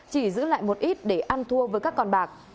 chỉ giữ lại một ít để ăn thua với các con bạc